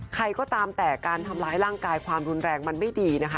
ใครก็ตามแต่การทำร้ายร่างกายความรุนแรงมันไม่ดีนะคะ